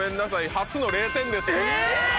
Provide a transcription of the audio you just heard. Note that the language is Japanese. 初の０点です。え！